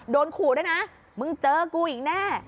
โดนขู่ด้วยนะมึงเจอกูอีกแน่